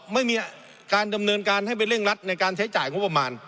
ไม่มีการดำเนินการให้ไปเร่งรัดในการใช้จ่ายงบประมาณ